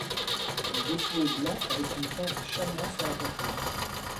Le dessous est blanc avec une teinte chamois sur la poitrine.